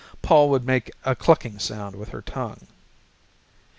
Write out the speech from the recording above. Pol would make a clucking sound with her tongue.